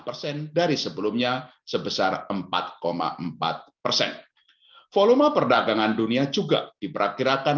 persen dari sebelumnya sebesar empat empat persen volume perdagangan dunia juga diperkirakan